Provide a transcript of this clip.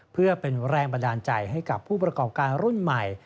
เพื่อเป็นแรงบันดาลใจให้กับผู้ประกอบการรุ่นใหม่